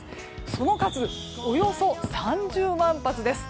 その数およそ３０万発です。